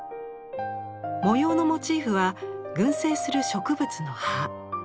模様のモチーフは群生する植物の葉。